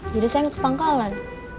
jadi saya gak ke pangkalan